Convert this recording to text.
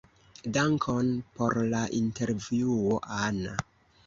Dankon por la intervjuo, Ana.